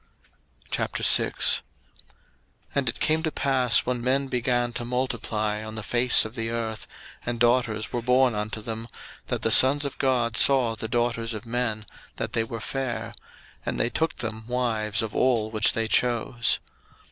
01:006:001 And it came to pass, when men began to multiply on the face of the earth, and daughters were born unto them, 01:006:002 That the sons of God saw the daughters of men that they were fair; and they took them wives of all which they chose.